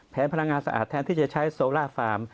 พลังงานสะอาดแทนที่จะใช้โซล่าฟาร์ม